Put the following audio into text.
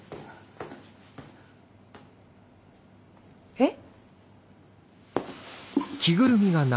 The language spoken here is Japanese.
えっ？